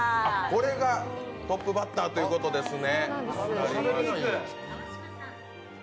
これがトップバッターということですね